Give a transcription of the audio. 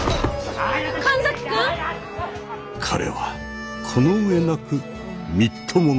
彼はこの上なくみっともなかった。